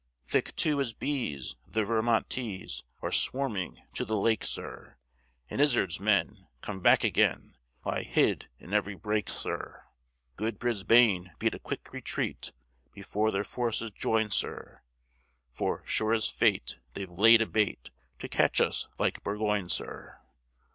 Thick, too, as bees, the Vermontese Are swarming to the lake, sir; And Izard's men, come back again, Lie hid in every brake, sir. "Good Brisbane, beat a quick retreat, Before their forces join, sir: For, sure as fate, they've laid a bait To catch us like Burgoyne, sir.